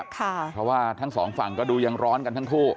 เพราะว่าทั้งสองฝั่งก็ดูยังร้อนกันทั้งคู่